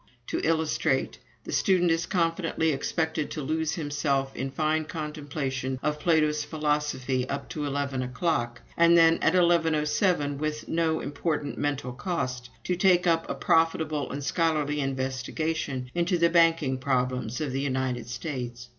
To illustrate: the student is confidently expected to lose himself in fine contemplation of Plato's philosophy up to eleven o'clock, and then at 11.07, with no important mental cost, to take up a profitable and scholarly investigation into the banking problems of the United States.